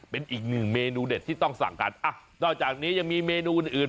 เป็นอีกหนึ่งเมนูเด็ดที่ต้องสั่งกันอ่ะนอกจากนี้ยังมีเมนูอื่นอื่น